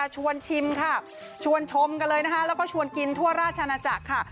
ชวนชมกันเลยและก็ชวนกินทั่วราชนัจจักรค่ะ